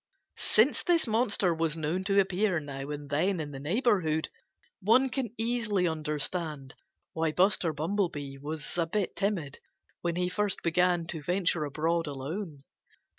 Since this monster was known to appear now and then in the neighborhood, one can easily understand why Buster Bumblebee was a bit timid when he first began to venture abroad alone.